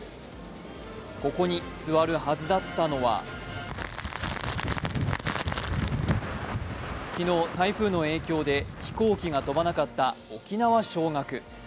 ここに座るはずだったのは昨日、台風の影響で飛行機が飛ばなかった沖縄尚学。